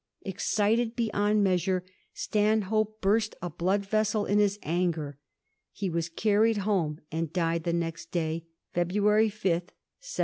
Excited beyond measm^, Stanhope burst a blood vessel in his anger. He was carried home, and he died the next day — ^February 5, 1721.